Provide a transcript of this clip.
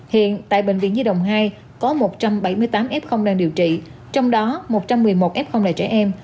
hiện tại bệnh viện nhi đồng hai có một trăm bảy mươi tám f đang điều trị trong đó một trăm một mươi một f là trẻ em